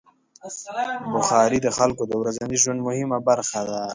بخاري د خلکو د ورځني ژوند مهمه برخه ده.